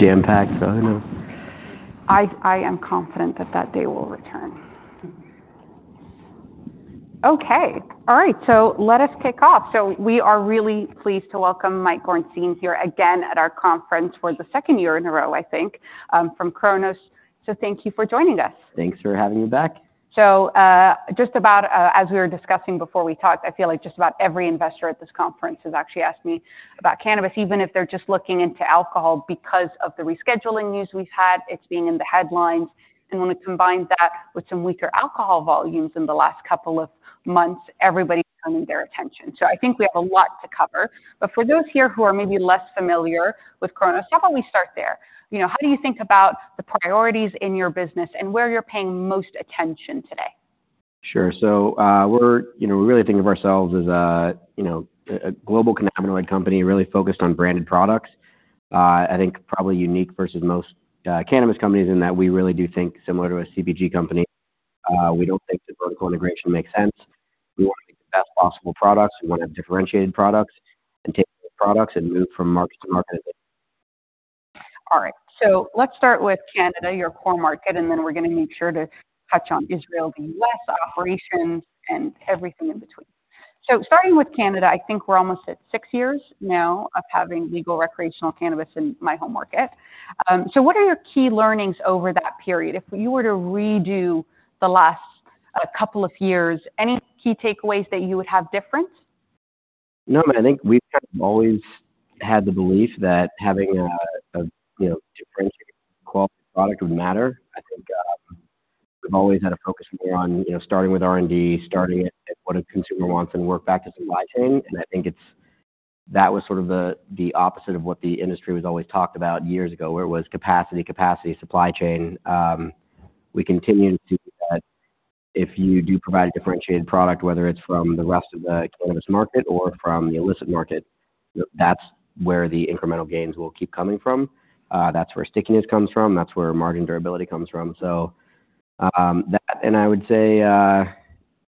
jam-packed, so who knows? I am confident that that day will return. Okay. All right, so, let us kick off. We are really pleased to welcome Mike Gorenstein here again at our conference for the second year in a row, I think, from Cronos. Thank you for joining us. Thanks for having me back. So, just about, as we were discussing before we talked, I feel like just about every investor at this conference has actually asked me about cannabis, even if they're just looking into alcohol, because of the rescheduling news we've had, it's been in the headlines. And when we combine that with some weaker alcohol volumes in the last couple of months, everybody's turning their attention. So, I think we have a lot to cover. But for those here who are maybe less familiar with Cronos, how about we start there? You know, how do you think about the priorities in your business and where you're paying most attention today? Sure. So, you know, we really think of ourselves as a, you know, a global cannabinoid company, really focused on branded products. I think probably unique versus most cannabis companies, in that we really do think similar to a CPG company. We don't think that vertical integration makes sense. We want to make the best possible products. We want to have differentiated products and take products and move from market to market. All right. So let's start with Canada, your core market, and then we're going to make sure to touch on Israel, U.S. operations, and everything in between. So, starting with Canada, I think we're almost at 6 years now of having legal recreational cannabis in my home market. So, what are your key learnings over that period? If you were to redo the last couple of years, any key takeaways that you would have different? No, but I think we've kind of always had the belief that having a you know, differentiated quality product would matter. I think we've always had a focus more on you know, starting with R&D, starting at what a consumer wants and work back to supply chain. And I think it's that was sort of the opposite of what the industry was always talked about years ago, where it was capacity, capacity, supply chain. We continued to if you do provide a differentiated product, whether it's from the rest of the cannabis market or from the illicit market, that's where the incremental gains will keep coming from. That's where stickiness comes from, that's where margin durability comes from. So, that, and I would say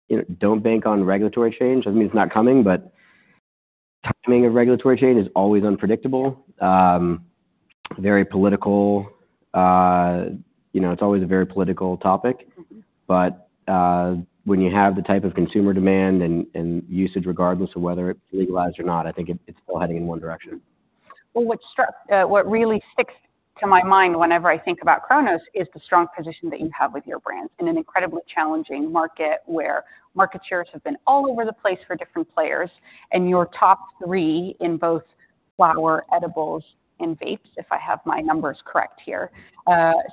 you know, don't bank on regulatory change. Doesn't mean it's not coming, but timing of regulatory change is always unpredictable. Very political. You know, it's always a very political topic. When you have the type of consumer demand and usage, regardless of whether it's legalized or not, I think it's still heading in one direction. Well, what really sticks to my mind whenever I think about Cronos is the strong position that you have with your brands in an incredibly challenging market, where market shares have been all over the place for different players, and you're top three in both flower, edibles, and vapes, if I have my numbers correct here.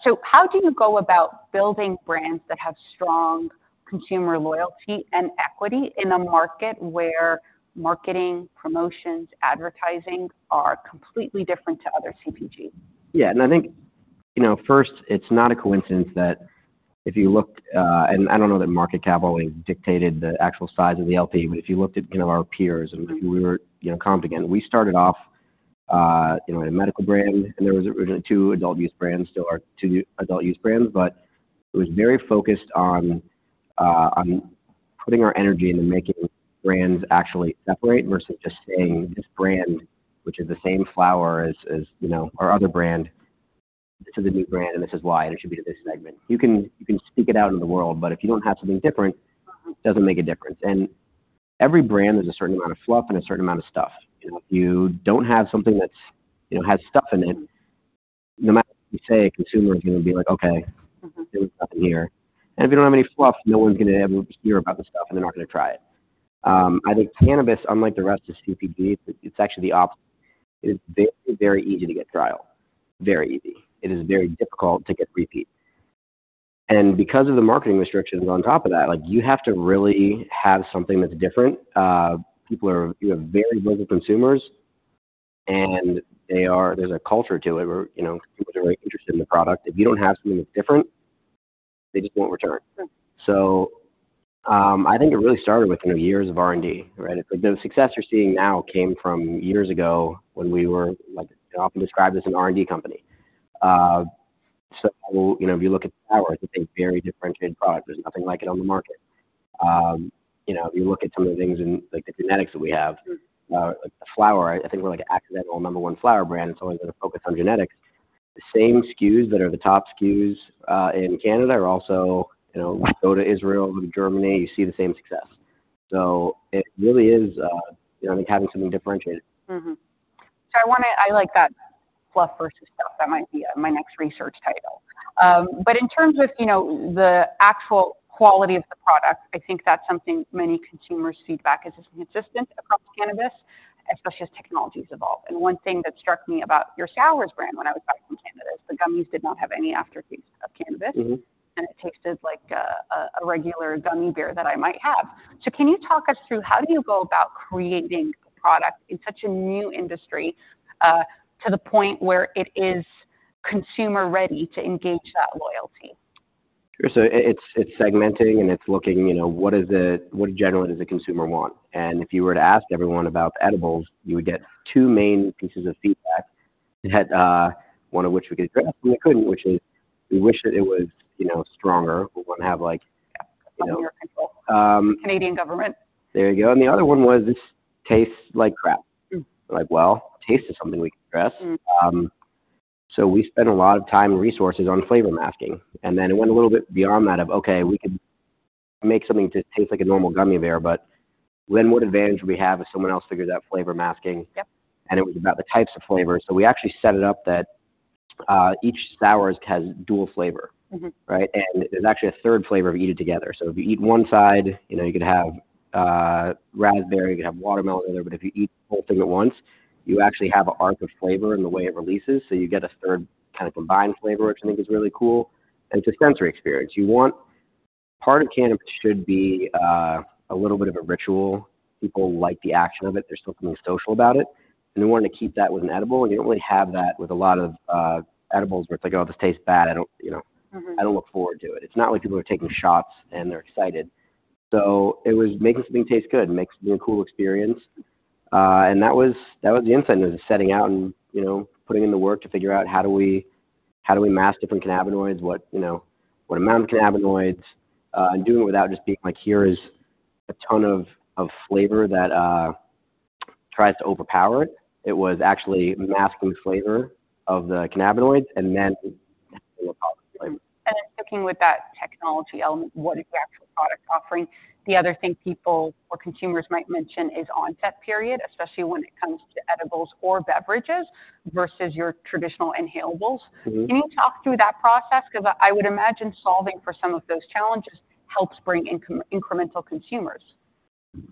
So, how do you go about building brands that have strong consumer loyalty and equity in a market where marketing, promotions, advertising are completely different to other CPG? Yeah, and I think, you know, first, it's not a coincidence that if you looked. And I don't know that market cap always dictated the actual size of the LP, but if you looked at, you know, our peers and who we were, you know, comping in, we started off, you know, in a medical brand, and there was originally two adult-use brands, still are two adult-use brands. But it was very focused on putting our energy into making brands actually separate versus just saying, this brand, which is the same flower as, you know, our other brand. This is a new brand, and this is why, and it should be to this segment. You can, you can speak it out in the world, but if you don't have something different, doesn't make a difference. Every brand, there's a certain amount of fluff and a certain amount of stuff. You know, if you don't have something that's, you know, has stuff in it, no matter what you say, a consumer is going to be like, "Okay. There's nothing here." And if you don't have any fluff, no one's going to ever hear about the stuff, and they're not going to try it. I think cannabis, unlike the rest of CPG, it's actually the opposite. It's very easy to get trial. Very easy. It is very difficult to get repeat. And because of the marketing restrictions on top of that, like, you have to really have something that's different. People are, you know, very busy consumers, and they are, there's a culture to it where, you know, people are very interested in the product. If you don't have something that's different, they just won't return. So, I think it really started with, you know, years of R&D, right? The success you're seeing now came from years ago when we were, like, often described as an R&D company. So, you know, if you look at flowers, it's a very differentiated product. There's nothing like it on the market. You know, if you look at some of the things in, like, the genetics that we have- like the flower, I think we're like an accidental number one flower brand, and so we're going to focus on genetics. The same SKUs that are the top SKUs in Canada are also, you know, go to Israel, go to Germany, you see the same success. So, it really is, you know, having something differentiated. So, I want to-- I like that, fluff versus stuff. That might be my next research title. But in terms of, you know, the actual quality of the product, I think that's something many consumer's feedback is consistent across cannabis, especially as technologies evolve. And one thing that struck me about your SOURZ brand when I was back in Canada is the gummies did not have any aftertaste of cannabis. It tasted like a regular gummy bear that I might have. Can you talk us through how do you go about creating a product in such a new industry to the point where it is consumer-ready to engage that loyalty? Sure. So, it's segmenting and it's looking, you know, what generally does the consumer want? And if you were to ask everyone about edibles, you would get two main pieces of feedback. It had one of which we could, and we couldn't, which is, we wish that it was, you know, stronger. We want to have, like-... Canadian government. There you go. The other one was, "This tastes like crap. Like, well, taste is something we can address. So, we spent a lot of time and resources on flavor masking, and then it went a little bit beyond that of, okay, we could make something to taste like a normal gummy bear, but then what advantage we have if someone else figured out flavor masking? Yep. It was about the types of flavors. We actually set it up that each SOURZ has dual flavor. Right? And there's actually a third flavor if you eat it together. So, if you eat one side, you know, you could have, raspberry, you could have watermelon in there, but if you eat the whole thing at once, you actually have an arc of flavor in the way it releases, so you get a third kind of combined flavor, which I think is really cool. And it's a sensory experience. You want part of cannabis should be a little bit of a ritual. People like the action of it. There's something social about it, and we wanted to keep that with an edible, and you don't really have that with a lot of, edibles, where it's like, "Oh, this tastes bad. I don't," you know- I don't look forward to it." It's not like people are taking shots and they're excited. So, it was making something taste good, make it a cool experience. And that was, that was the incentive, was setting out and, you know, putting in the work to figure out how do we, how do we mask different cannabinoids? What, you know, what amount of cannabinoids, and doing it without just being like: Here is a ton of, of flavor that tries to overpower it. It was actually masking the flavor of the cannabinoids and then- And then sticking with that technology element, what is the actual product offering? The other thing people or consumers might mention is onset period, especially when it comes to edibles or beverages versus your traditional inhalable. Can you talk through that process? Because I, I would imagine solving for some of those challenges helps bring incremental consumers.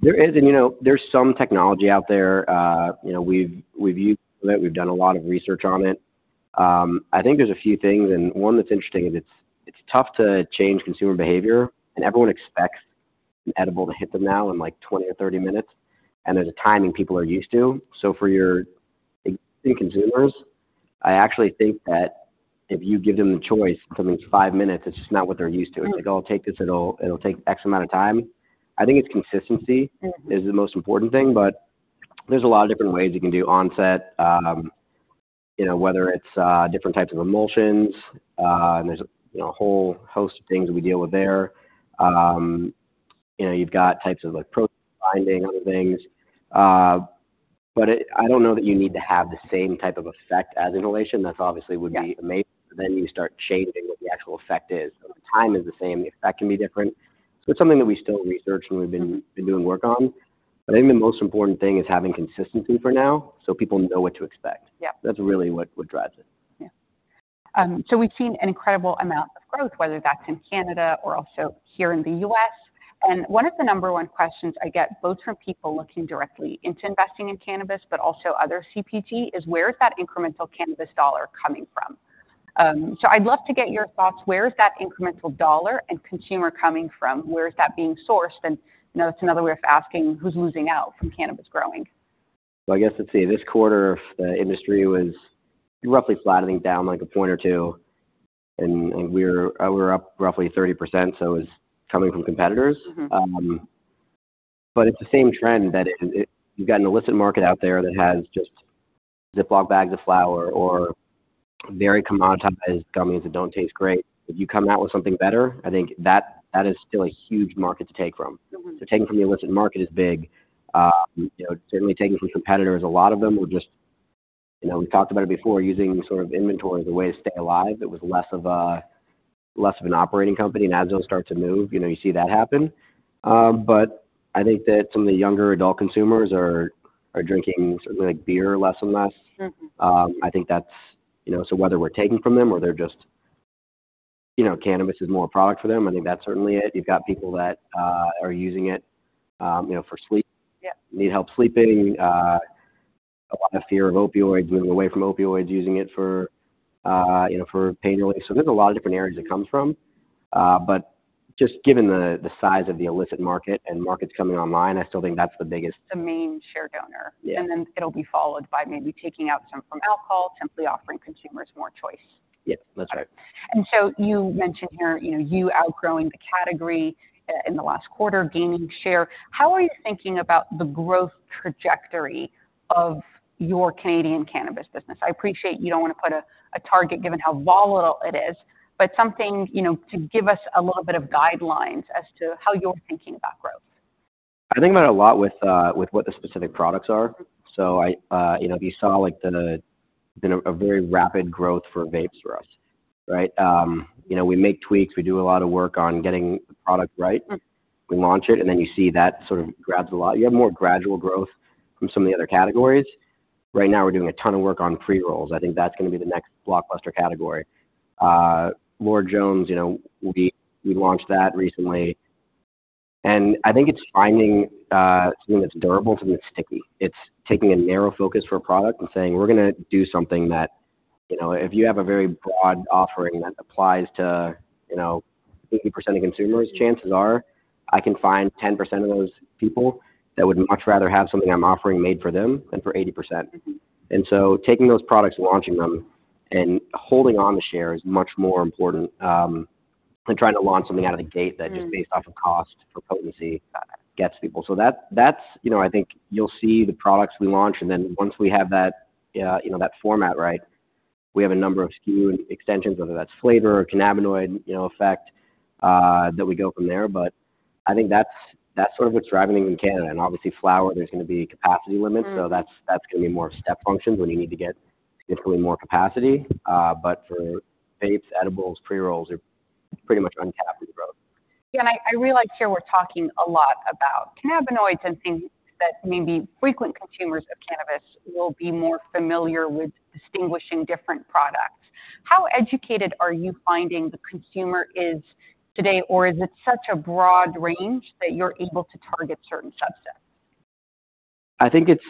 There is, and, you know, there's some technology out there. You know, we've used it. We've done a lot of research on it. I think there's a few things, and one that's interesting is it's tough to change consumer behavior, and everyone expects an edible to hit them now in, like, 20 or 30 minutes, and there's a timing people are used to. So, for your existing consumers, I actually think that if you give them the choice, something that's 5 minutes, it's just not what they're used to. It's like, "I'll take this. It'll, it'll take X amount of time." I think it's consistency- - is the most important thing, but there's a lot of different ways you can do onset. You know, whether it's, different types of emulsions, and there's, you know, a whole host of things we deal with there. You know, you've got types of, like, protein binding, other things. But I don't know that you need to have the same type of effect as inhalation. That's obviously would be amazing. Yeah. Then you start changing what the actual effect is. The time is the same, the effect can be different. So, it's something that we still research and we've been doing work on, but I think the most important thing is having consistency for now, so people know what to expect. That's really what, what drives it. Yeah. So, we've seen an incredible amount of growth, whether that's in Canada or also here in the US, and one of the number one questions I get, both from people looking directly into investing in cannabis, but also other CPG, is: Where is that incremental cannabis dollar coming from? So, I'd love to get your thoughts. Where is that incremental dollar and consumer coming from? Where is that being sourced? And, you know, that's another way of asking: Who's losing out from cannabis growing? So I guess, let's see, this quarter, the industry was roughly flattening down like a point or two, and we're up roughly 30%, so it's coming from competitors. But it's the same trend that. You've got an illicit market out there that has just Ziploc bags of flower or very commoditized gummies that don't taste great. If you come out with something better, I think that is still a huge market to take from. So, taking from the illicit market is big. You know, certainly taking from competitors, a lot of them were just, you know, we talked about it before, using sort of inventory as a way to stay alive. It was less of a, less of an operating company, and as those start to move, you know, you see that happen. But I think that some of the younger adult consumers are, are drinking something like beer less and less. I think that's, you know, so whether we're taking from them or they're just, you know, cannabis is more a product for them, I think that's certainly it. You've got people that are using it, you know, for sleep. Yep. Need help sleeping, a lot of fear of opioids, moving away from opioids, using it for, you know, for pain relief. So, there's a lot of different areas it comes from, but just given the size of the illicit market and markets coming online, I still think that's the biggest- The main share donor. Yeah. And then it'll be followed by maybe taking out some from alcohol, simply offering consumers more choice. Yep, that's right. And so, you mentioned here, you know, you outgrowing the category in the last quarter, gaining share. How are you thinking about the growth trajectory of your Canadian cannabis business? I appreciate you don't want to put a target, given how volatile it is, but something, you know, to give us a little bit of guidelines as to how you're thinking about growth. I think about it a lot with what the specific products are. Mm. So I, you know, you saw, like, a very rapid growth for vapes for us, right? You know, we make tweaks, we do a lot of work on getting the product right. We launch it, and then you see that sort of grabs a lot. You have more gradual growth from some of the other categories. Right now, we're doing a ton of work on pre-rolls. I think that's going to be the next blockbuster category. Lord Jones, you know, we, we launched that recently, and I think it's finding something that's durable, something that's sticky. It's taking a narrow focus for a product and saying, "We're going to do something that," you know, if you have a very broad offering that applies to, you know, 80% of consumers, chances are I can find 10% of those people that would much rather have something I'm offering made for them than for 80%. And so taking those products and launching them and holding on to share is much more important than trying to launch something out of the gate-... that just based off of cost or potency gets people. So that, that's, you know, I think you'll see the products we launch, and then once we have that, you know, that format right... We have a number of SKU extensions, whether that's flavor or cannabinoid, you know, effect that we go from there. But I think that's, that's sort of what's driving in Canada. And obviously, flower, there's going to be capacity limits. So that's going to be more step functions when you need to get significantly more capacity. But for vapes, edibles, pre-rolls, they're pretty much uncapped in growth. Yeah, and I, I realize here we're talking a lot about cannabinoids and things that maybe frequent consumers of cannabis will be more familiar with distinguishing different products. How educated are you finding the consumer is today, or is it such a broad range that you're able to target certain subsets? I think it's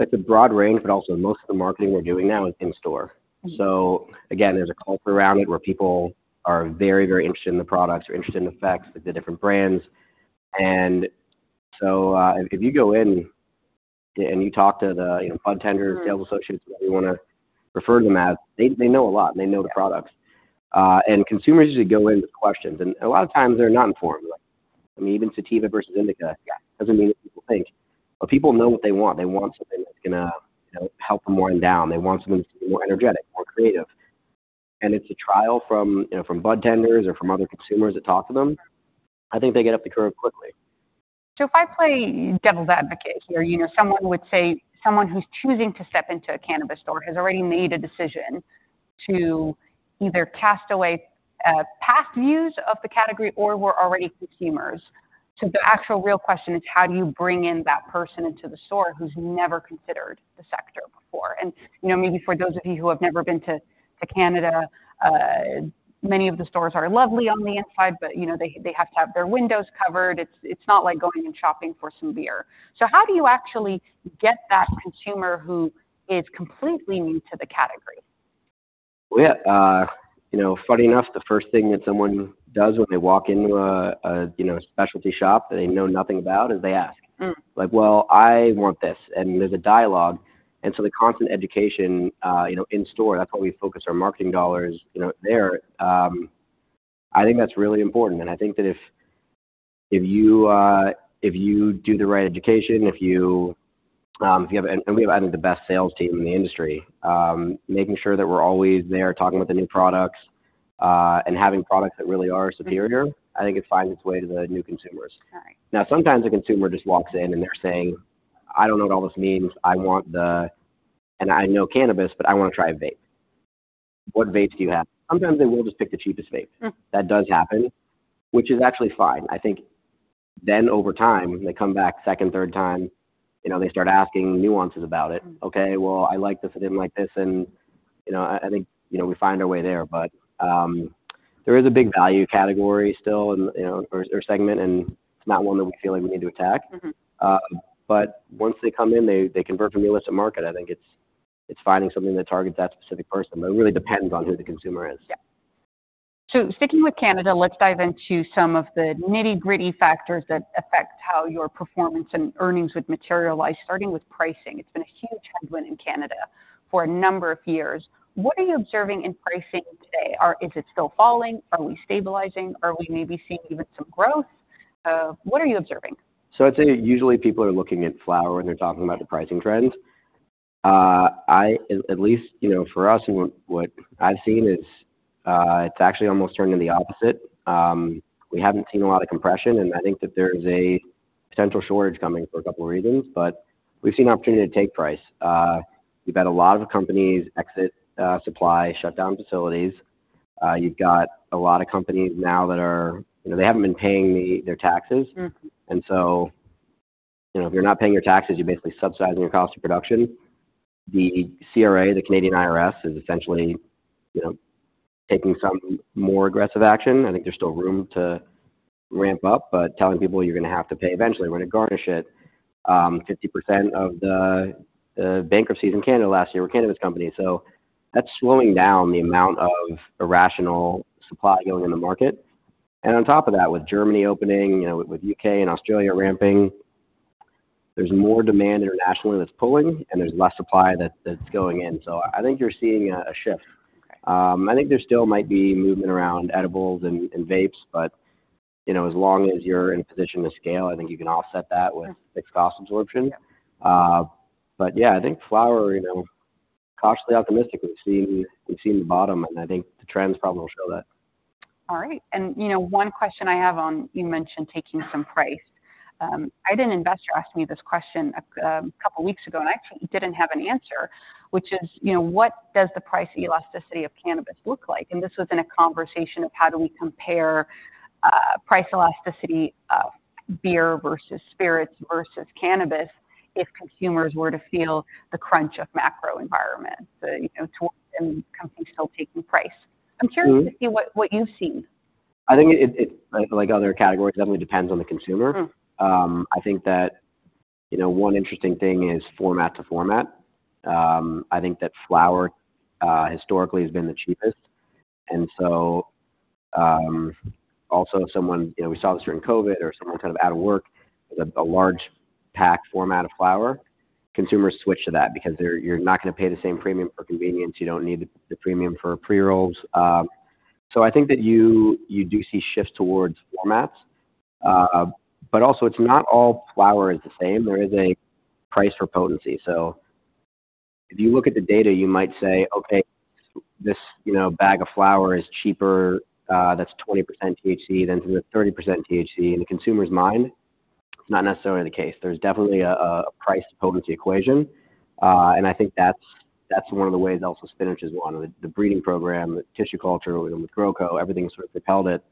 a broad range, but also most of the marketing we're doing now is in-store. So again, there's a culture around it, where people are very, very interested in the products, are interested in the effects of the different brands. And so, if you go in and you talk to the, you know, budtenders-... sales associates, whoever you want to refer to them as, they know a lot, and they know the products. And consumers usually go in with questions, and a lot of times they're not informed. I mean, even sativa versus indica, doesn't mean what people think. But people know what they want. They want something that's going to, you know, help them wind down. They want something to be more energetic, more creative. And it's a trial from, you know, from budtenders or from other consumers that talk to them. I think they get up the curve quickly. So if I play devil's advocate here, you know, someone would say someone who's choosing to step into a cannabis store has already made a decision to either cast away past views of the category or were already consumers. So the actual real question is, how do you bring in that person into the store who's never considered the sector before? And, you know, maybe for those of you who have never been to Canada, many of the stores are lovely on the inside, but, you know, they have to have their windows covered. It's not like going and shopping for some beer. So how do you actually get that consumer who is completely new to the category? Well, yeah. You know, funny enough, the first thing that someone does when they walk into a, you know, a specialty shop that they know nothing about, is they ask. Like, "Well, I want this," and there's a dialogue. And so the constant education, you know, in store, that's why we focus our marketing dollars, you know, there. I think that's really important, and I think that if you do the right education, if you have... and we have, I think, the best sales team in the industry. Making sure that we're always there, talking about the new products, and having products that really are superior- I think it finds its way to the new consumers. Right. Now, sometimes a consumer just walks in, and they're saying: I don't know what all this means. I want the... And I know cannabis, but I want to try a vape. What vapes do you have? Sometimes they will just pick the cheapest vape. That does happen, which is actually fine. I think then over time, they come back second, third time, you know, they start asking nuances about it. Okay, well, I like this. I didn't like this." And, you know, I think, you know, we find our way there. But, there is a big value category still, and, you know, or, or segment, and it's not one that we feel like we need to attack. But once they come in, they convert from illicit market. I think it's finding something that targets that specific person, but it really depends on who the consumer is. Yeah. So sticking with Canada, let's dive into some of the nitty-gritty factors that affect how your performance and earnings would materialize, starting with pricing. It's been a huge headwind in Canada for a number of years. What are you observing in pricing today? Is it still falling? Are we stabilizing? Are we maybe seeing even some growth? What are you observing? So, I'd say usually people are looking at flower, when they're talking about the pricing trends. I, at least, you know, for us and what I've seen is, it's actually almost turning the opposite. We haven't seen a lot of compression, and I think that there's a potential shortage coming for a couple of reasons, but we've seen an opportunity to take price. You've had a lot of companies exit supply, shut down facilities. You've got a lot of companies now that are, you know, they haven't been paying their taxes. And so, you know, if you're not paying your taxes, you're basically subsidizing your cost of production. The CRA, the Canadian IRS, is essentially, you know, taking some more aggressive action. I think there's still room to ramp up, but telling people, "You're going to have to pay eventually. We're going to garnish it." 50% of the bankruptcies in Canada last year were cannabis companies, so that's slowing down the amount of irrational supply going in the market. And on top of that, with Germany opening, you know, with UK and Australia ramping, there's more demand internationally that's pulling, and there's less supply that's going in. So, I think you're seeing a shift. Okay. I think there still might be movement around edibles and vapes, but you know, as long as you're in a position to scale, I think you can offset that- -with fixed cost absorption. Yeah. But yeah, I think flower, you know, cautiously optimistic. We've seen, we've seen the bottom, and I think the trends probably will show that. All right. You know, one question I have on, you mentioned taking some price. I had an investor ask me this question a couple weeks ago, and I actually didn't have an answer, which is, you know: What does the price elasticity of cannabis look like? This was in a conversation of how do we compare price elasticity of beer, versus spirits, versus cannabis, if consumers were to feel the crunch of macro environment, you know, towards them, companies still taking price. I'm curious to see what you've seen. I think it, like other categories, definitely depends on the consumer. I think that, you know, one interesting thing is format to format. I think that flower historically has been the cheapest, and so, also if someone, you know, we saw this during COVID, or someone kind of out of work, a large pack format of flower, consumers switch to that because you're not going to pay the same premium for convenience. You don't need the premium for pre-rolls. So I think that you do see shifts towards formats. But also, it's not all flower is the same. There is a price for potency. So, if you look at the data, you might say, okay, this, you know, bag of flower is cheaper, that's 20% THC than the 30% THC. In the consumer's mind, it's not necessarily the case. There's definitely a price to potency equation, and I think that's one of the ways also Spinach's won, the breeding program, the tissue culture, and with GrowCo, everything sort of propelled it.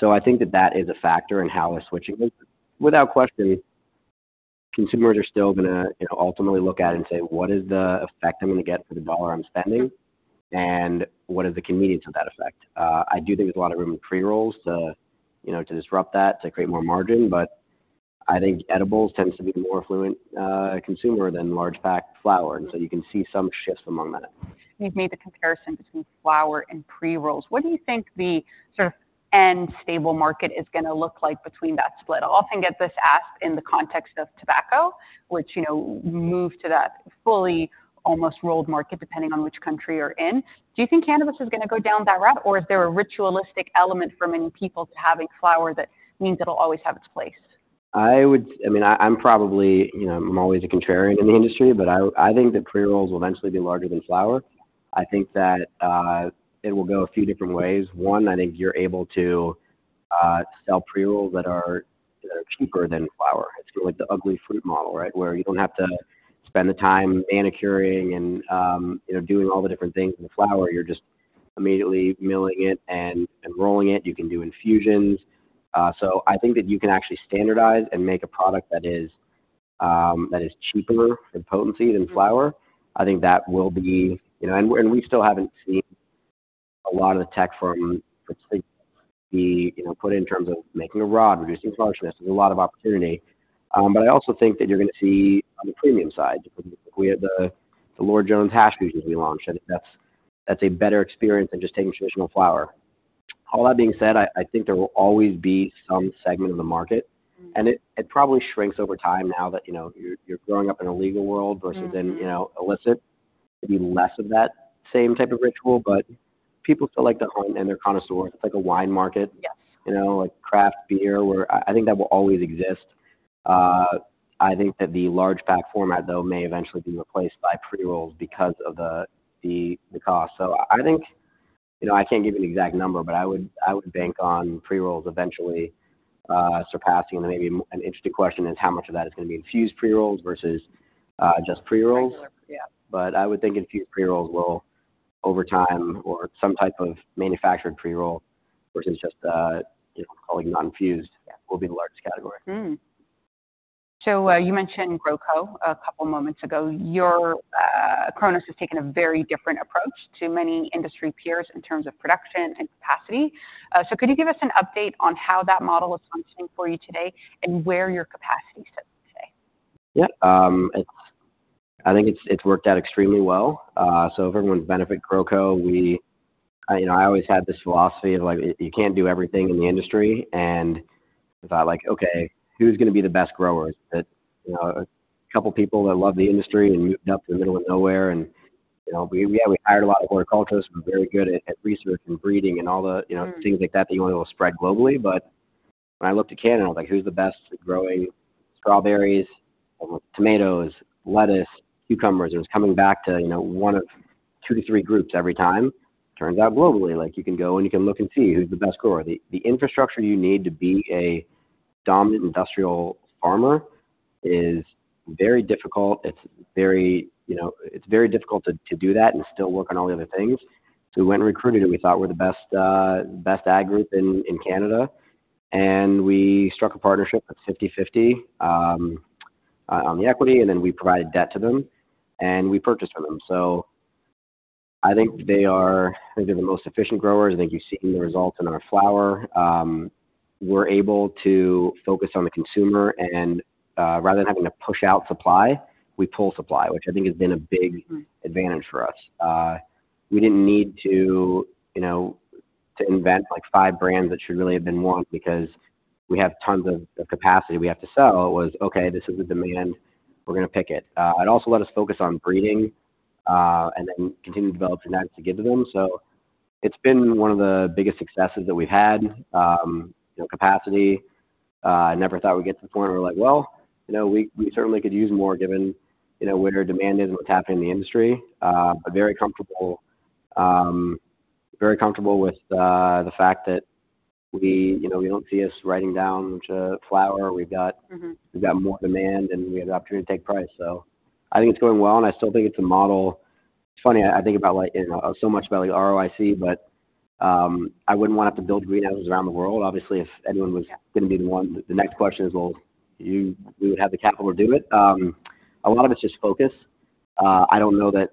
So, I think that that is a factor in how we're switching. But without question, consumers are still going to, you know, ultimately look at it and say, "What is the effect I'm going to get for the dollar I'm spending, and what is the convenience of that effect?" I do think there's a lot of room in pre-rolls to, you know, to disrupt that, to create more margin, but I think edibles tends to be more affluent consumer than large pack flower, and so you can see some shifts among that. You've made the comparison between flower and pre-rolls. What do you think the sort of end stable market is going to look like between that split? I'll often get this asked in the context of tobacco, which, you know, moved to that fully almost rolled market, depending on which country you're in. Do you think cannabis is going to go down that route, or is there a ritualistic element for many people to having flower that means it'll always have its place? I would—I mean, I'm probably, you know, I'm always a contrarian in the industry, but I think that pre-rolls will eventually be larger than flower. I think that it will go a few different ways. One, I think you're able to sell pre-rolls that are cheaper than flower. It's like the ugly fruit model, right? Where you don't have to spend the time manicuring and, you know, doing all the different things with flower. You're just immediately milling it and rolling it. You can do infusions. So, I think that you can actually standardize and make a product that is cheaper in potency than flower. I think that will be... You know, and we still haven't seen a lot of the tech from, let's say, be, you know, put in terms of making a rod, reducing hollowness. There's a lot of opportunity. But I also think that you're going to see on the premium side, we had the, the Lord Jones hash we recently launched, and that's, that's a better experience than just taking traditional flower. All that being said, I, I think there will always be some segment of the market, and it, it probably shrinks over time now that, you know, you're, you're growing up in a legal world- versus in, you know, illicit. Maybe less of that same type of ritual, but people still like to hunt, and they're connoisseurs. It's like a wine market. Yes. You know, like craft beer, where I think that will always exist. I think that the large pack format, though, may eventually be replaced by pre-rolls because of the cost. So I think, you know, I can't give you an exact number, but I would bank on pre-rolls eventually surpassing. And maybe an interesting question is how much of that is going to be infused pre-rolls versus just pre-rolls. Regular, yeah. But I would think infused pre-rolls will, over time, or some type of manufactured pre-roll versus just, you know, calling it non-infused- Yeah. will be the largest category. Hmm. So, you mentioned GrowCo a couple moments ago. Your, Cronos has taken a very different approach to many industry peers in terms of production and capacity. So, could you give us an update on how that model is functioning for you today and where your capacity sits today? Yeah, I think it's worked out extremely well. So if everyone's benefit, Cronos GrowCo, we... you know, I always had this philosophy of, like, you can't do everything in the industry, and I thought, like: Okay, who's going to be the best growers? That, you know, a couple people that love the industry and moved up to the middle of nowhere, and, you know, we... Yeah, we hired a lot of horticulturists who were very good at research and breeding and all the-... you know, things like that, that you want to spread globally. But when I looked to Canada, I was like: Who's the best at growing strawberries, tomatoes, lettuce, cucumbers? It was coming back to, you know, one of two to three groups every time. Turns out globally, like, you can go and you can look and see who's the best grower. The infrastructure you need to be a dominant industrial farmer is very difficult. It's very, you know, it's very difficult to do that and still work on all the other things. So, we went and recruited who we thought were the best ag group in Canada, and we struck a partnership at 50/50 on the equity, and then we provided debt to them, and we purchased from them. So, I think they are, I think they're the most efficient growers. I think you've seen the results in our flower. We're able to focus on the consumer, and rather than having to push out supply, we pull supply, which I think has been a big-... advantage for us. We didn't need to, you know, to invent, like, five brands that should really have been one, because we have tons of capacity we have to sell. It was, okay, this is the demand, we're going to pick it. It also let us focus on breeding, and then continue to develop genetics to give to them. So it's been one of the biggest successes that we've had. You know, capacity, I never thought we'd get to the point where we're like, well, you know, we certainly could use more given, you know, where demand is and what's happening in the industry. But very comfortable, very comfortable with the fact that we, you know, we don't see us writing down to flower. We've got- We've got more demand, and we have the opportunity to take price. So, I think it's going well, and I still think it's a model. It's funny, I think about, like, you know, so much about ROIC, but I wouldn't want to have to build greenhouses around the world. Obviously, if anyone was going to be the one, the next question is: Well, you, do you have the capital to do it? A lot of it's just focus. I don't know that,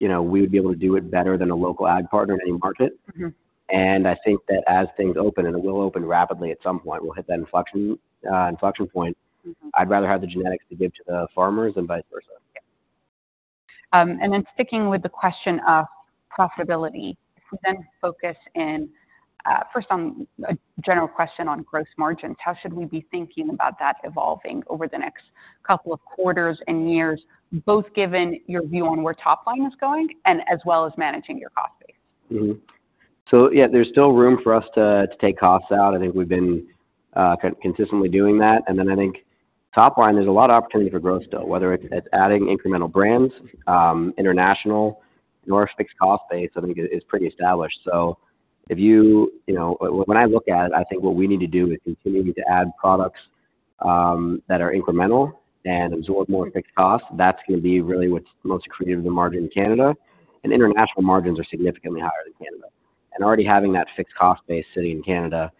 you know, we would be able to do it better than a local ag partner in any market. I think that as things open, and it will open rapidly at some point, we'll hit that inflection point. I'd rather have the genetics to give to the farmers than vice versa. Sticking with the question of profitability, first on a general question on gross margins, how should we be thinking about that evolving over the next couple of quarters and years, both given your view on where top line is going and as well as managing your cost base? So, yeah, there's still room for us to take costs out. I think we've been consistently doing that. And then I think top line, there's a lot of opportunity for growth still, whether it's adding incremental brands, international, and our fixed cost base, I think, is pretty established. So, if you—you know, when I look at it, I think what we need to do is continue to add products that are incremental and absorb more fixed costs. That's going to be really what's most accretive to the margin in Canada, and international margins are significantly higher than Canada. And already having that fixed cost base sitting in Canada,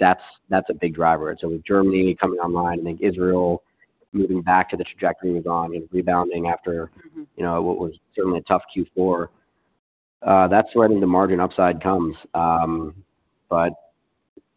that's a big driver. And so, with Germany coming online, I think Israel moving back to the trajectory it was on and rebounding after- You know, what was certainly a tough Q4, that's where I think the margin upside comes. But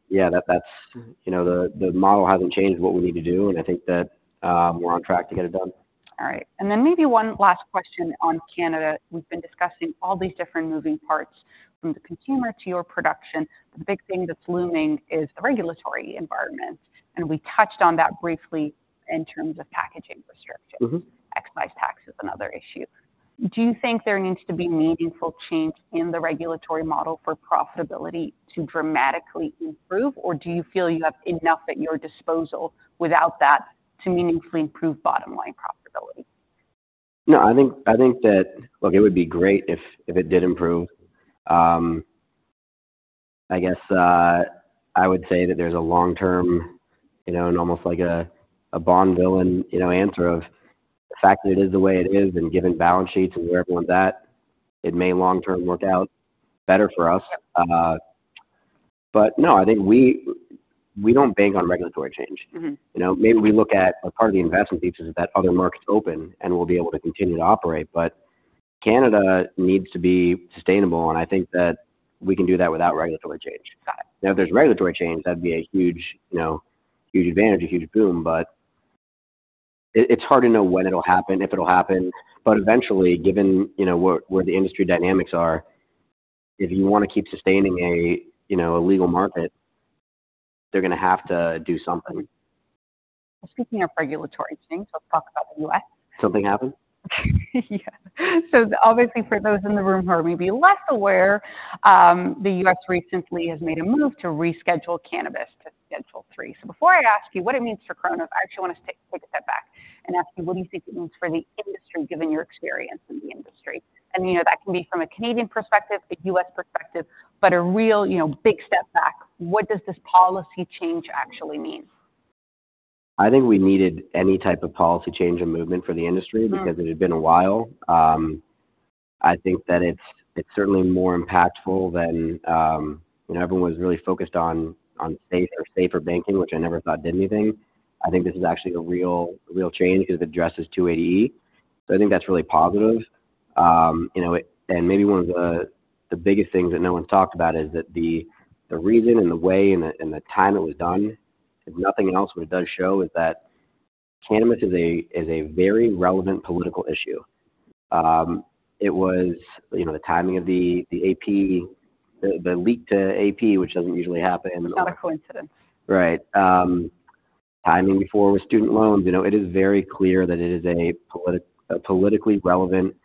yeah, that, that's... You know, the, the model hasn't changed what we need to do, and I think that, we're on track to get it done. All right. And then maybe one last question on Canada. We've been discussing all these different moving parts, from the consumer to your production. The big thing that's looming is the regulatory environment, and we touched on that briefly in terms of packaging restrictions. Excise tax is another issue. Do you think there needs to be meaningful change in the regulatory model for profitability to dramatically improve, or do you feel you have enough at your disposal without that to meaningfully improve bottom-line profitability? No, I think, I think that-- Look, it would be great if, if it did improve. I guess, I would say that there's a long-term, you know, and almost like a, a Bond villain, you know, answer of the fact that it is the way it is, and given balance sheets and where everyone's at, it may long term work out better for us. But no, I think we, we don't bank on regulatory change. You know, maybe we look at a part of the investment thesis is that other markets open, and we'll be able to continue to operate, but Canada needs to be sustainable, and I think that we can do that without regulatory change. Got it. Now, if there's regulatory change, that'd be a huge, you know, huge advantage, a huge boom, but it, it's hard to know when it'll happen, if it'll happen. But eventually, given, you know, what, where the industry dynamics are, if you want to keep sustaining a, you know, a legal market, they're going to have to do something. Speaking of regulatory change, let's talk about the U.S. Something happened? Yeah. So obviously, for those in the room who are maybe less aware, the U.S. recently has made a move to reschedule cannabis to Schedule III. So, before I ask you what it means for Cronos, I actually want to take a step back and ask you, what do you think it means for the industry, given your experience in the industry? And, you know, that can be from a Canadian perspective, a U.S. perspective, but a real, you know, big step back, what does this policy change actually mean? I think we needed any type of policy change and movement for the industry- Sure. because it had been a while. I think that it's certainly more impactful than, you know, everyone was really focused on SAFE or SAFER banking, which I never thought did anything. I think this is actually a real change because it addresses 280E. So, I think that's really positive. And maybe one of the biggest things that no one's talked about is that the reason, and the way, and the time it was done, if nothing else, what it does show is that cannabis is a very relevant political issue. It was, you know, the timing of the AP, the leak to AP, which doesn't usually happen. A lot of coincidence. Right. Timing before with student loans, you know, it is very clear that it is a politically relevant,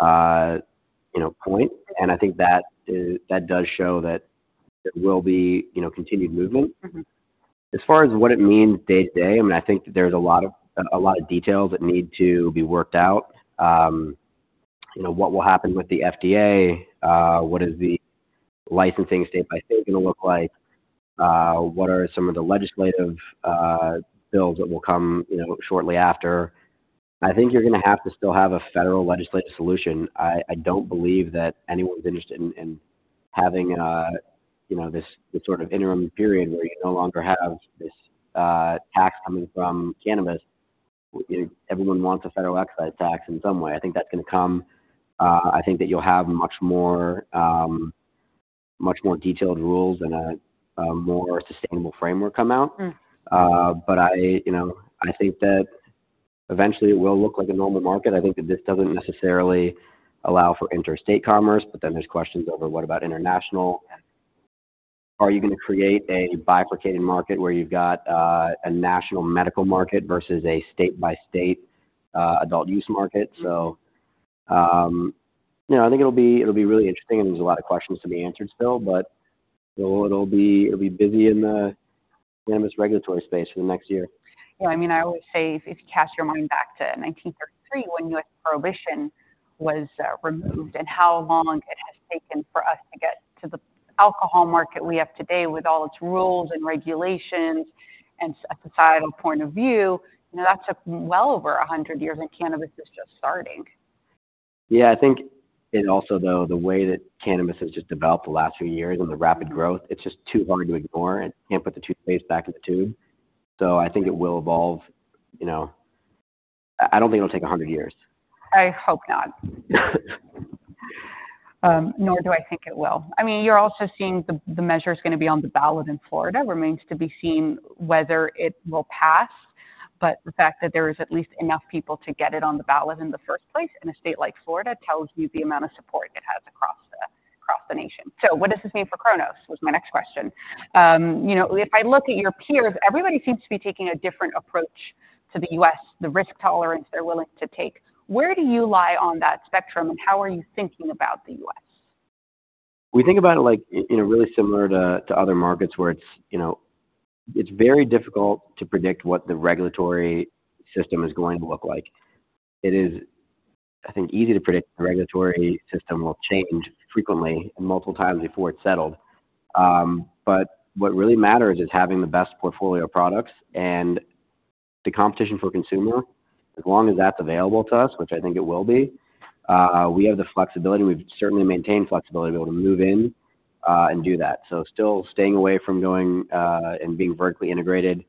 you know, point. And I think that is, that does show that there will be, you know, continued movement. As far as what it means day-to-day, I mean, I think that there's a lot of, a lot of details that need to be worked out. You know, what will happen with the FDA? What is the licensing state by state going to look like? What are some of the legislative, bills that will come, you know, shortly after? I think you're going to have to still have a federal legislative solution. I don't believe that anyone's interested in, in having, you know, this, this sort of interim period, where you no longer have this, tax coming from cannabis. You know, everyone wants a federal excise tax in some way. I think that's going to come. I think that you'll have much more, much more detailed rules and a, a more sustainable framework come out. But I, you know, I think that eventually it will look like a normal market. I think that this doesn't necessarily allow for interstate commerce, but then there's questions over, what about international? Are you going to create a bifurcating market, where you've got, a national medical market versus a state-by-state, adult use market? So, you know, I think it'll be really interesting, and there's a lot of questions to be answered still, but it'll be busy in the cannabis regulatory space for the next year. Yeah, I mean, I always say, if you cast your mind back to 1933, when U.S. prohibition was removed, and how long it has taken for us to get to the alcohol market we have today, with all its rules and regulations and societal point of view, you know, that took well over 100 years, and cannabis is just starting. Yeah, I think, and also, though, the way that cannabis has just developed the last few years and the rapid growth, it's just too hard to ignore. You can't put the toothpaste back in the tube. So, I think it will evolve, you know. I, I don't think it'll take 100 years. I hope not. Nor do I think it will. I mean, you're also seeing the measure is going to be on the ballot in Florida. Remains to be seen whether it will pass... But the fact that there is at least enough people to get it on the ballot in the first place, in a state like Florida, tells you the amount of support it has across the nation. So, what does this mean for Cronos? Was my next question. You know, if I look at your peers, everybody seems to be taking a different approach to the U.S., the risk tolerance they're willing to take. Where do you lie on that spectrum, and how are you thinking about the U.S.? We think about it, like, you know, really similar to other markets where it's, you know, it's very difficult to predict what the regulatory system is going to look like. It is, I think, easy to predict the regulatory system will change frequently and multiple times before it's settled. But what really matters is having the best portfolio of products and the competition for consumer. As long as that's available to us, which I think it will be, we have the flexibility. We've certainly maintained flexibility to be able to move in and do that. So still staying away from going and being vertically integrated.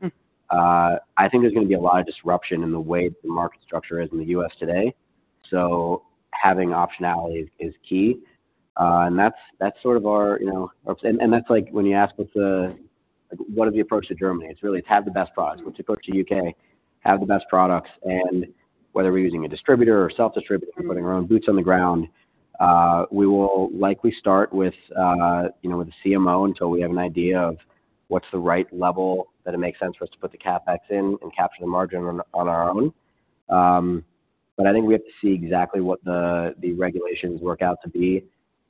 I think there's going to be a lot of disruption in the way the market structure is in the U.S. today, so, having optionality is key. And that's sort of our, you know—and that's like when you ask, what's the approach to Germany? It's really, it's had the best products. When you go to U.K., have the best products, and whether we're using a distributor or self-distributor, putting our own boots on the ground, we will likely start with, you know, with a CMO until we have an idea of what's the right level, that it makes sense for us to put the CapEx in and capture the margin on our own. But I think we have to see exactly what the regulations work out to be,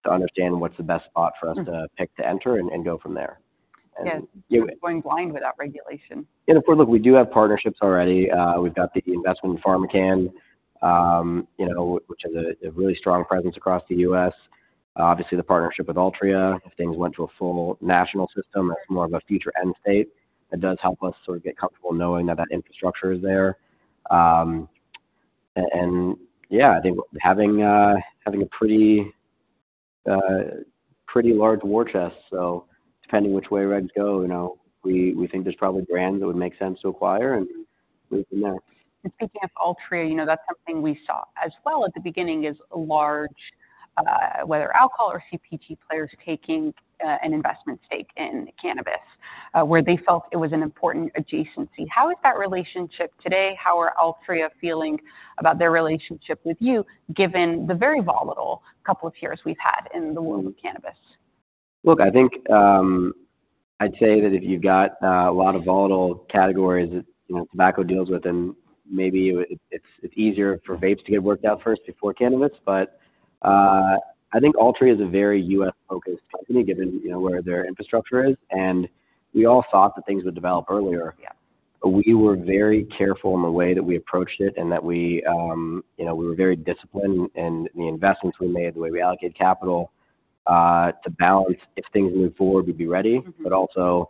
to understand what's the best spot for us-... to pick, to enter and go from there, and do it. Yes, going blind without regulation. And of course, look, we do have partnerships already. We've got the investment in PharmaCann, you know, which has a really strong presence across the U.S. Obviously, the partnership with Altria, if things went to a full national system, that's more of a future end state. It does help us sort of get comfortable knowing that that infrastructure is there. And yeah, I think having a pretty large war chest, so depending which way regs go, you know, we think there's probably brands that would make sense to acquire, and we can, yeah. Speaking of Altria, you know, that's something we saw as well at the beginning, is large, whether alcohol or CPG players taking, an investment stake in cannabis, where they felt it was an important adjacency. How is that relationship today? How are Altria feeling about their relationship with you, given the very volatile couple of years we've had in the world of cannabis? Look, I think, I'd say that if you've got a lot of volatile categories that, you know, tobacco deals with, then maybe it's easier for vapes to get worked out first before cannabis. But, I think Altria is a very U.S.-focused company, given, you know, where their infrastructure is, and we all thought that things would develop earlier. Yeah. We were very careful in the way that we approached it and that we, you know, we were very disciplined in the investments we made, the way we allocated capital, to balance. If things moved forward, we'd be ready-... but also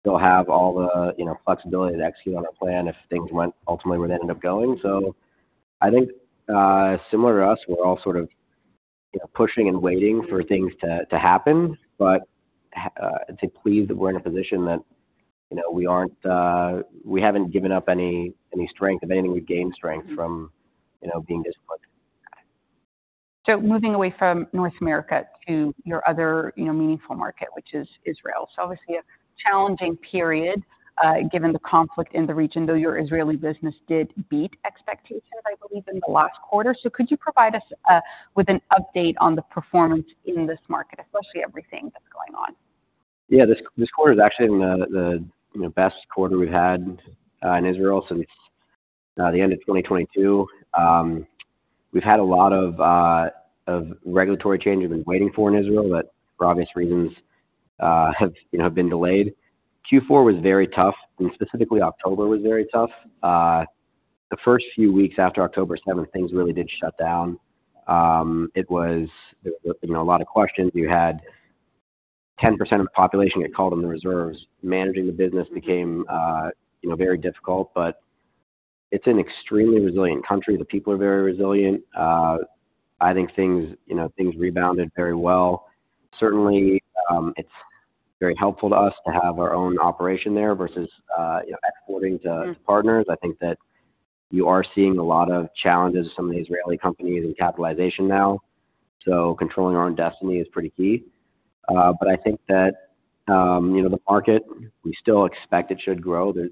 still have all the, you know, flexibility to execute on our plan if things went, ultimately, where they ended up going. So I think, similar to us, we're all sort of, you know, pushing and waiting for things to happen, but, to plead that we're in a position that, you know, we aren't, we haven't given up any strength. If anything, we've gained strength from, you know, being disciplined. Moving away from North America to your other, you know, meaningful market, which is Israel. Obviously, a challenging period, given the conflict in the region, though your Israeli business did beat expectations, I believe, in the last quarter. Could you provide us with an update on the performance in this market, especially everything that's going on? Yeah. This quarter is actually the best quarter we've had in Israel since the end of 2022. We've had a lot of regulatory change we've been waiting for in Israel, but for obvious reasons have been delayed. Q4 was very tough, and specifically, October was very tough. The first few weeks after October seventh, things really did shut down. It was, you know, a lot of questions. You had 10% of the population get called on the reserves. Managing the business became, you know, very difficult, but it's an extremely resilient country. The people are very resilient. I think things, you know, things rebounded very well. Certainly, it's very helpful to us to have our own operation there versus, you know, exporting to-... partners. I think that you are seeing a lot of challenges with some of the Israeli companies in capitalization now, so controlling our own destiny is pretty key. But I think that, you know, the market, we still expect it should grow. The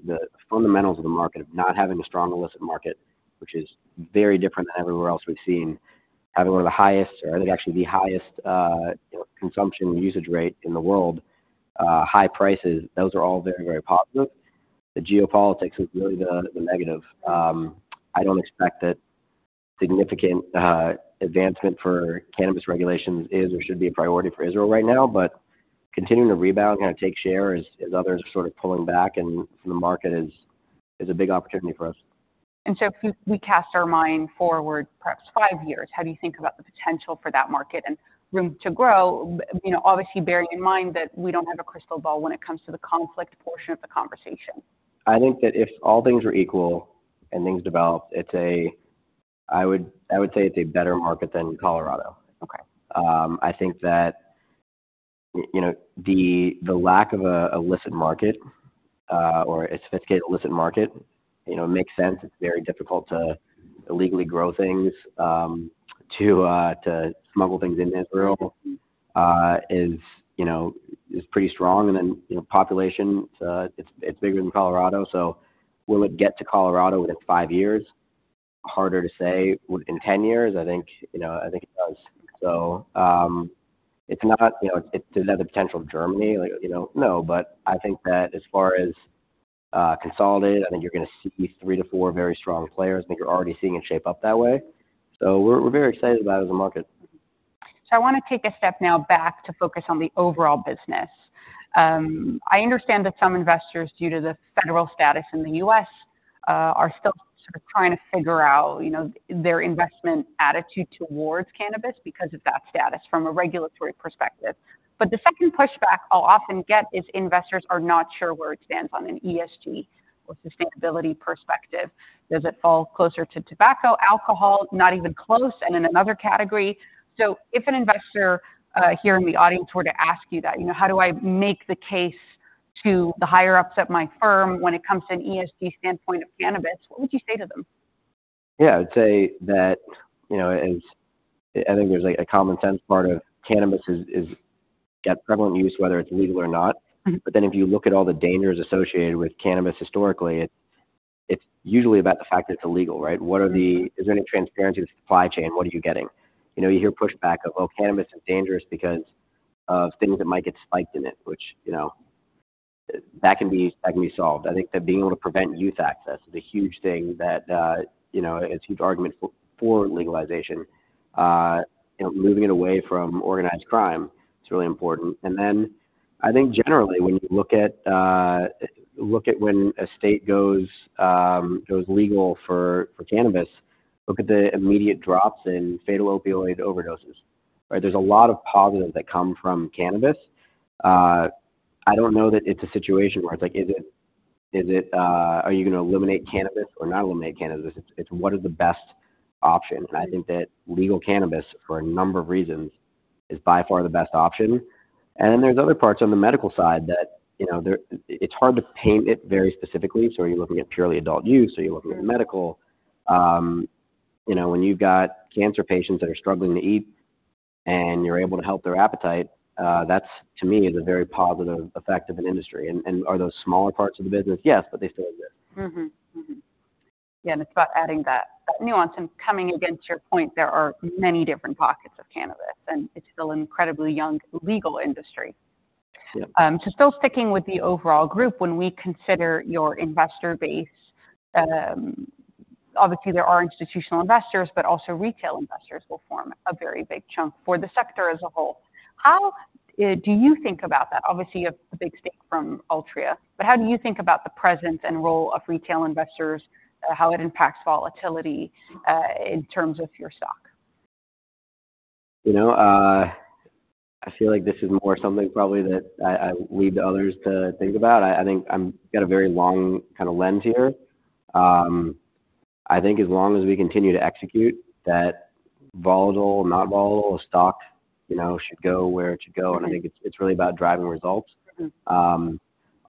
fundamentals of the market, of not having a strong illicit market, which is very different than everywhere else we've seen, having one of the highest, or I think actually the highest, you know, consumption usage rate in the world, high prices, those are all very, very positive. The geopolitics is really the negative. I don't expect that significant advancement for cannabis regulations is or should be a priority for Israel right now. Continuing to rebound, kind of take share as others are sort of pulling back and from the market is a big opportunity for us. And so, if we cast our mind forward, perhaps five years, how do you think about the potential for that market and room to grow? You know, obviously, bearing in mind that we don't have a crystal ball when it comes to the conflict portion of the conversation. I think that if all things are equal and things develop, it's a... I would, I would say it's a better market than Colorado. Okay. I think that, you know, the lack of an illicit market, or a sophisticated illicit market, you know, makes sense. It's very difficult to illegally grow things to smuggle things into Israel, you know, is pretty strong. And then, you know, population, it's bigger than Colorado, so, will it get to Colorado within five years? Harder to say. In 10 years, I think, you know, I think it does. So, it's not, you know, does it have the potential of Germany? Like, you know, no. But I think that as far as consolidated, I think you're going to see three to four very strong players, and you're already seeing it shape up that way. So, we're very excited about it as a market. So, I want to take a step now back to focus on the overall business. I understand that some investors, due to the federal status in the U.S., are still sort of trying to figure out, you know, their investment attitude towards cannabis because of that status from a regulatory perspective. But the second pushback I'll often get is investors are not sure where it stands on an ESG or sustainability perspective. Does it fall closer to tobacco, alcohol, not even close, and in another category? So, if an investor here in the audience were to ask you that, you know, "How do I make the case to the higher-ups at my firm when it comes to an ESG standpoint of cannabis?" What would you say to them? Yeah, I'd say that, you know, it's... I think there's, like, a common sense part of cannabis is got prevalent use, whether it's legal or not. But then if you look at all the dangers associated with cannabis historically, it, it's usually about the fact that it's illegal, right? Is there any transparency in the supply chain? What are you getting? You know, you hear pushback of, "Well, cannabis is dangerous because of things that might get spiked in it," which, you know, that can be, that can be solved. I think that being able to prevent youth access is a huge thing that, you know, it's a huge argument for legalization. You know, moving it away from organized crime, it's really important. And then, I think generally, when you look at look at when a state goes goes legal for cannabis, look at the immediate drops in fatal opioid overdoses, right? There's a lot of positives that come from cannabis. I don't know that it's a situation where it's like, is it, is it, are you going to eliminate cannabis or not eliminate cannabis? It's what is the best option. And I think that legal cannabis, for a number of reasons, is by far the best option. And then there's other parts on the medical side that, you know, it's hard to paint it very specifically. So, are you looking at purely adult use, are you looking at medical? You know, when you've got cancer patients that are struggling to eat and you're able to help their appetite, that's, to me, is a very positive effect of an industry. And are those smaller parts of the business? Yes, but they still exist. Mm-hmm. Mm-hmm. Yeah, and it's about adding that, that nuance. And coming against your point, there are many different pockets of cannabis, and it's still an incredibly young legal industry. Yeah. So still sticking with the overall group, when we consider your investor base, obviously there are institutional investors, but also retail investors will form a very big chunk for the sector as a whole. How do you think about that? Obviously, you have a big stake from Altria, but how do you think about the presence and role of retail investors, how it impacts volatility in terms of your stock? You know, I feel like this is more something probably that I leave to others to think about. I think I've got a very long kind of lens here. I think as long as we continue to execute, that volatile or not volatile stock, you know, should go where it should go. Right. I think it's really about driving results.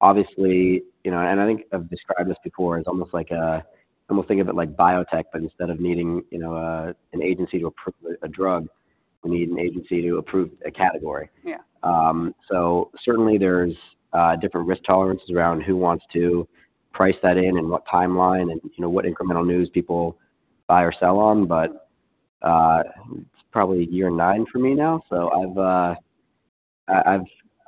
Obviously, you know, and I think I've described this before, it's almost like a, almost think of it like biotech, but instead of needing, you know, an agency to approve a drug, we need an agency to approve a category. Yeah. So certainly, there's different risk tolerances around who wants to price that in, and what timeline, and, you know, what incremental news people buy or sell on. But it's probably year nine for me now, so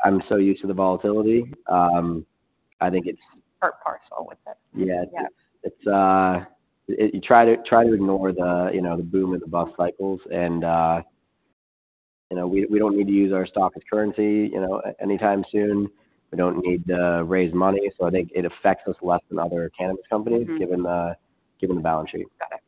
I'm so used to the volatility. I think it's- part and parcel with it. Yeah. Yeah. It's you try to ignore the, you know, the boom and the bust cycles. And you know, we don't need to use our stock as currency, you know, anytime soon. We don't need to raise money, so I think it affects us less than other cannabis companies-... given the balance sheet. Got it.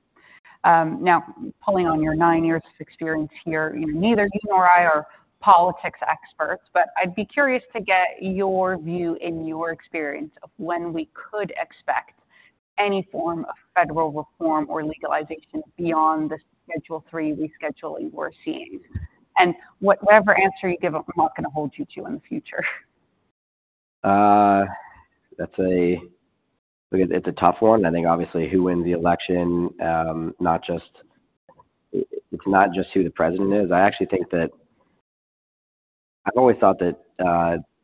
Now, pulling on your nine years of experience here, neither you nor I are politics experts, but I'd be curious to get your view and your experience of when we could expect any form of federal reform or legalization beyond the Schedule III rescheduling, we're seeing? And whatever answer you give, I'm not going to hold you to in the future. That's a, it's a tough one. I think obviously who wins the election, not just, it's not just who the president is. I actually think that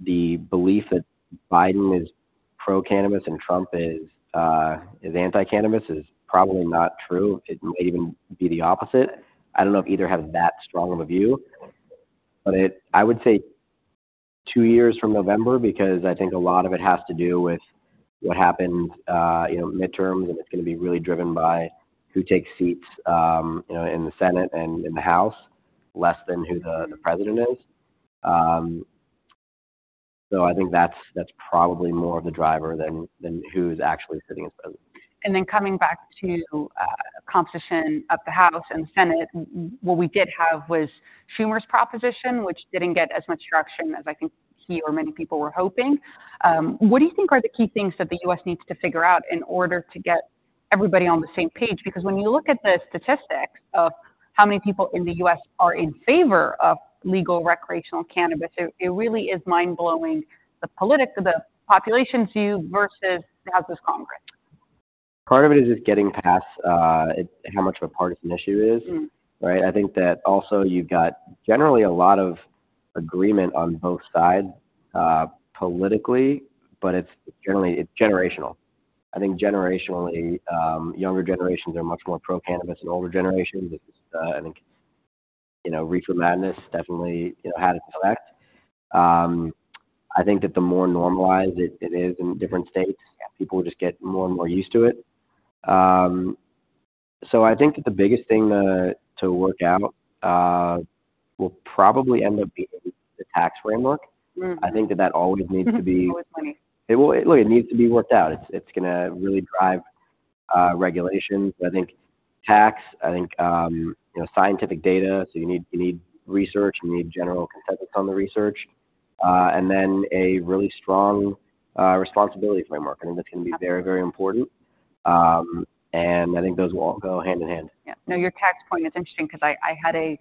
the belief that Biden is pro-cannabis and Trump is anti-cannabis is probably not true. It may even be the opposite. I don't know if either have that strong of a view. But it. I would say two years from November, because I think a lot of it has to do with what happens, you know, midterms, and it's going to be really driven by who takes seats, you know, in the Senate and in the House, less than who the president is. So, I think that's probably more of the driver than who's actually sitting as president. And then coming back to composition of the House and the Senate, what we did have was Schumer's proposition, which didn't get as much traction as I think he or many people were hoping. What do you think are the key things that the U.S. needs to figure out in order to get everybody on the same page? Because when you look at the statistics of how many people in the U.S. are in favor of legal recreational cannabis, it really is mind-blowing, the politics, the population view versus the House of Congress. Part of it is just getting past how much of a partisan issue it is. Right? I think that also you've got generally a lot of agreement on both sides, politically, but it's generally, it's generational. I think generationally, younger generations are much more pro-cannabis than older generations. I think, you know, Reefer Madness definitely, you know, had an effect. I think that the more normalized it, it is in different states, people just get more and more used to it. So, I think that the biggest thing to work out will probably end up being the tax framework. I think that that always needs to be- Always money. It will. Look, it needs to be worked out. It's, it's going to really drive regulations. I think tax, I think, you know, scientific data, so you need, you need research, you need general consensus on the research, and then a really strong responsibility framework. I think that's going to be very, very important. And I think those will all go hand in hand. Yeah. Now, your tax point is interesting because I had a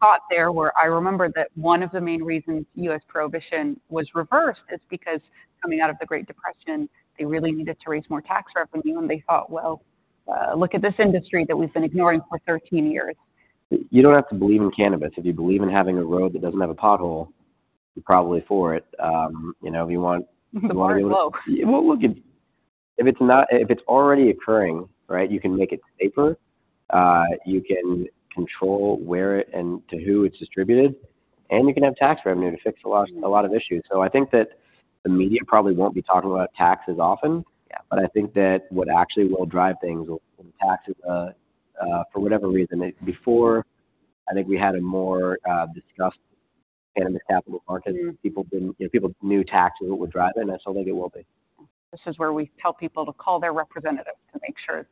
thought there where I remembered that one of the main reasons U.S. prohibition was reversed is because coming out of the Great Depression, they really needed to raise more tax revenue, and they thought, "Well, look at this industry that we've been ignoring for 13 years. You don't have to believe in cannabis. If you believe in having a road that doesn't have a pothole, you're probably for it. You know, if you want- Very low. Well, look, if it's already occurring, right, you can make it safer. You can control where and to who it's distributed, and you can have tax revenue to fix a lot, a lot of issues. So I think that the media probably won't be talking about taxes often- Yeah. But I think that what actually will drive things will, taxes, for whatever reason. Before, I think we had a more discussed cannabis capital market, and people didn't... You know, people knew taxes, it would drive it, and I still think it will be. This is where we tell people to call their representative to make sure.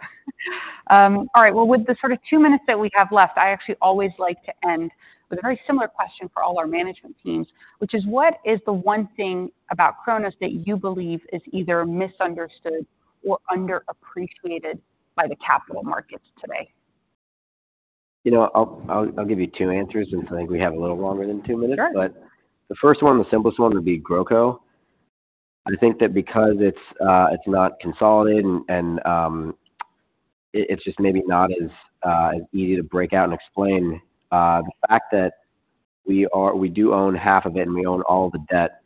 All right. Well, with the sort of two minutes that we have left, I actually always like to end with a very similar question for all our management teams, which is: What is the one thing about Cronos that you believe is either misunderstood or underappreciated by the capital markets today? You know, I'll give you two answers since I think we have a little longer than two minutes. Sure. But the first one, the simplest one, would be GrowCo. I think that because it's not consolidated and it's just maybe not as easy to break out and explain the fact that we are, we do own half of it, and we own all the debt,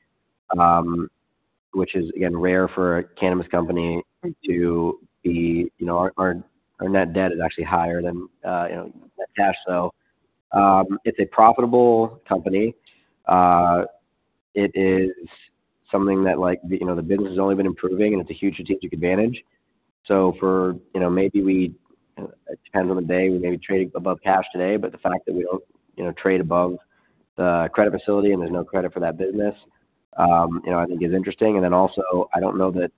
which is, again, rare for a cannabis company to be. You know, our net debt is actually higher than net cash. So, it's a profitable company. It is something that, like, you know, the business has only been improving, and it's a huge strategic advantage. So, for, you know, maybe we, it depends on the day, we may be trading above cash today, but the fact that we own, you know, trade above the credit facility and there's no credit for that business, you know, I think is interesting. And then also, I don't know that,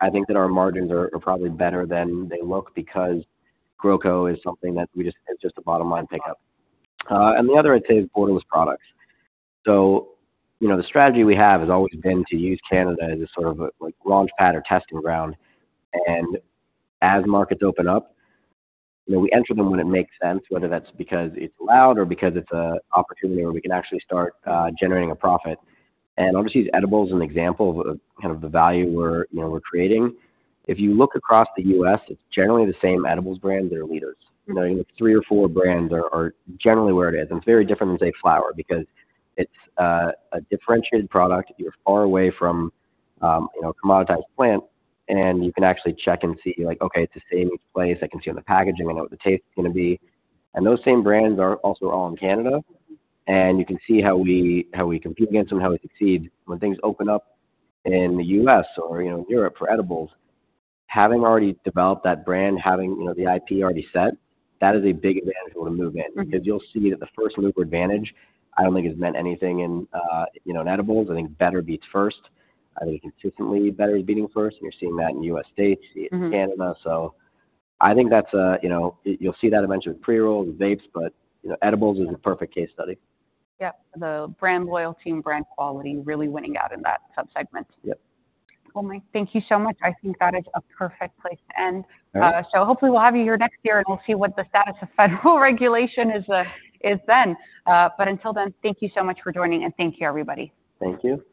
I think that our margins are, are probably better than they look because GrowCo is something that we just, it's just a bottom-line pickup. And the other, I'd say, is borderless products. So, you know, the strategy we have has always been to use Canada as a sort of a, like, launchpad or testing ground, and as markets open up, you know, we enter them when it makes sense, whether that's because it's allowed or because it's a opportunity where we can actually start generating a profit. And obviously, the edibles is an example of, of kind of the value we're, you know, we're creating. If you look across the US, it's generally the same edibles brands that are leaders. You know, you look three or four brands are generally where it is, and it's very different from, say, flower, because it's a differentiated product. You're far away from, you know, commoditized plant, and you can actually check and see, like, okay, it's the same place. I can see on the packaging. I know what the taste is going to be. And those same brands are also all in Canada, and you can see how we compete against them, how we succeed. When things open up in the U.S. or, you know, Europe for edibles, having already developed that brand, having, you know, the IP already set, that is a big advantage when we move in. Because you'll see that the first-mover advantage, I don't think has meant anything in, you know, in edibles. I think better beats first. I think consistently better is beating first, and you're seeing that in U.S. states- - seeing it in Canada. So I think that's, you know, you'll see that eventually with pre-rolls and vapes, but, you know, edibles is a perfect case study. Yeah, the brand loyalty and brand quality really winning out in that subsegment. Yep. Well, Mike, thank you so much. I think that is a perfect place to end. All right. So hopefully we'll have you here next year, and we'll see what the status of federal regulation is, is then. But until then, thank you so much for joining, and thank you, everybody. Thank you.